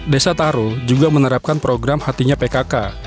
desa taru juga menerapkan program hatinya pkk